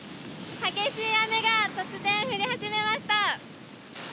激しい雨が突然、降り始めました。